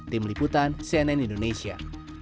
tim liputan cnn indonesia